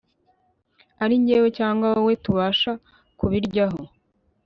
ari jyewe cyangwa wowe tubasha kubiryaho …